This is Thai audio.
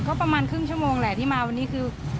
ก็ประมาณครึ่งชั่วโมงแหละที่มาวันนี้คือ